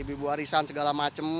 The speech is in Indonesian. ibu arisan segala macam